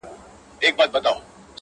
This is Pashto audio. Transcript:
زموږ به نغري وي تش له اورونو -